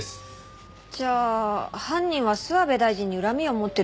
じゃあ犯人は諏訪部大臣に恨みを持ってる人って事でしょうか？